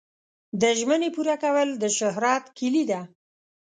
د ژمنې پوره کول د شهرت کلي ده.